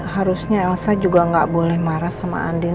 harusnya elsa juga nggak boleh marah sama andin